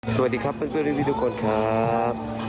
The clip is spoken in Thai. สวัสดีครับเพื่อนพี่ทุกคนครับ